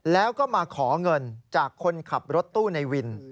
แล้วก็มาขอเงินจากคนขับรถตู้ในวิน